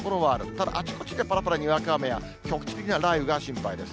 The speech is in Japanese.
ただあちこちでぱらぱらにわか雨や、局地的な雷雨が心配です。